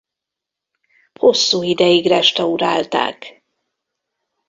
Hosszú ideig restaurálták.